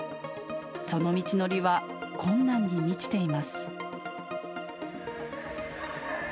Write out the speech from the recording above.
その道のりは困難に満ちています。